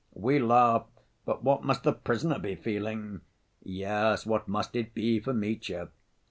"We laugh, but what must the prisoner be feeling?" "Yes, what must it be for Mitya?"